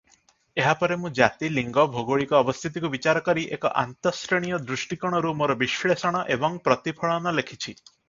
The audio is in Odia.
ଏହା ପରେ ମୁଁ ଜାତି, ଲିଙ୍ଗ, ଭୌଗୋଳିକ ଅବସ୍ଥିତିକୁ ବିଚାର କରି ଏକ ଆନ୍ତର୍ଶ୍ରେଣୀୟ ଦୃଷ୍ଟିକୋଣରୁ ମୋର ବିଶ୍ଳେଷଣ ଏବଂ ପ୍ରତିଫଳନ ଲେଖିଛି ।